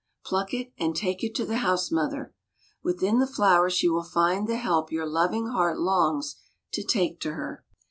Pluck it, and take it to the house mother. Within the flower she will find the help your loving little heart longs to take to her."